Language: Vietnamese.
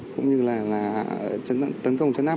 cũng như là tấn công chấn áp